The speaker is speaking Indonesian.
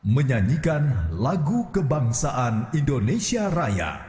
menyanyikan lagu kebangsaan indonesia raya